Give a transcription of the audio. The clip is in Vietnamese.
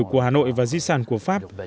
của hà nội và di sản của pháp